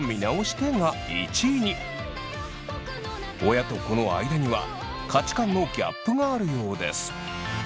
親と子の間には価値観のギャップがあるようです。